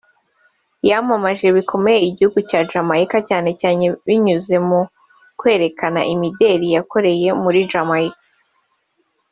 yamamaje bikomeye igihugu cya Jamaica cyane cyane binyuze mu byo kwerekana imideli yakoreye muri Jamaica